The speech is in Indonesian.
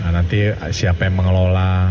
nanti siapa yang mengelola